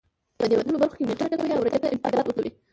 په دې وتلو برخو کې مېخونه ټکوهي او رجه ته امتداد ورکوي.